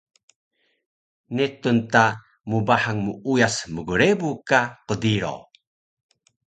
netun ta mbahang muuyas mgrebu ka qdiro